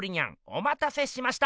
おまたせしました！